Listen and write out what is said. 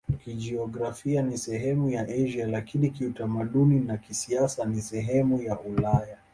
Kijiografia ni sehemu ya Asia, lakini kiutamaduni na kisiasa ni sehemu ya Ulaya.